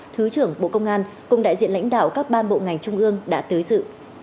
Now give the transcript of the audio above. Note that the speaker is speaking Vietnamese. thứ trưởng bộ công an cùng đại diện lãnh đạo các ban bộ ngành trung ương đã tới dự